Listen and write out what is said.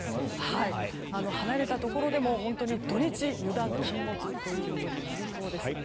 離れたところでも本当に土日、油断禁物ということになりそうです。